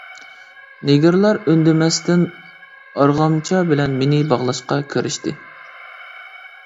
نېگىرلار ئۈندىمەستىن ئارغامچا بىلەن مېنى باغلاشقا كىرىشتى.